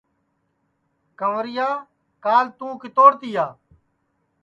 کنٚورِیا کال تُوں کِتوڑ تِیا